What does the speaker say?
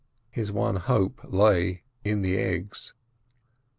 His one hope lay in the eggs.